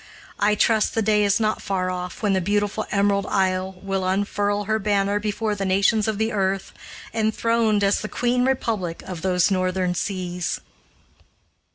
I trust the day is not far off when the beautiful Emerald Isle will unfurl her banner before the nations of the earth, enthroned as the Queen Republic of those northern seas!